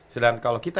sedangkan kalau kita